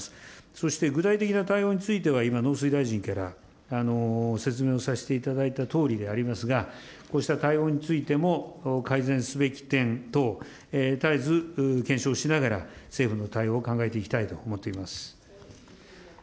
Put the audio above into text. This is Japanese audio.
そして、具体的な対応については、今、農水大臣から説明をさせていただいたとおりでありますが、こうした対応についても、改善すべき点等、絶えず検証しながら、政府の対応を考えていきたいと思っています。